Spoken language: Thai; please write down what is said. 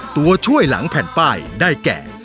ตัวช่วยหลังแผ่นป้ายได้แก่